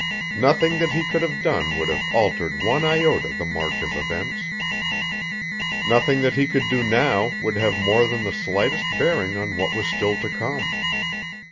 Nothing that he could have done would have altered one iota the march of events. Nothing that he could do now would have more than the slightest bearing on what was still to come.